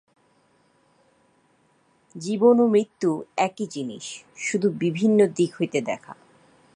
জীবন ও মৃত্যু একই জিনিষ, শুধু বিভিন্ন দিক হইতে দেখা।